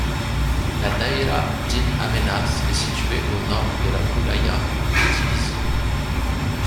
La daïra d'In Amenas est située au nord de la wilaya d'Illizi.